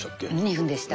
２分でした。